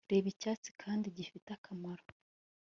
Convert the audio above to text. reba icyatsi kandi gifite akamaro